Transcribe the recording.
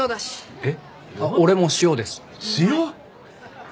えっ？